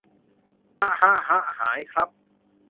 หะหะหะหายครับ